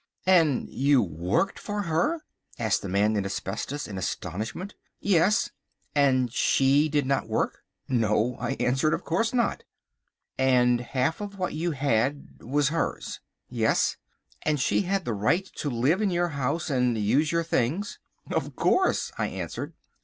"And you worked for her?" asked the Man in Asbestos in astonishment. "Yes." "And she did not work?" "No," I answered, "of course not." "And half of what you had was hers?" "Yes." "And she had the right to live in your house and use your things?" "Of course," I answered.